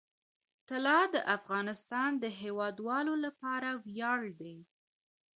طلا د افغانستان د هیوادوالو لپاره ویاړ دی.